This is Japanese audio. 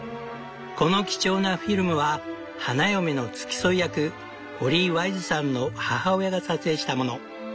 この貴重なフィルムは花嫁の付き添い役ホリー・ワイズさんの母親が撮影したもの。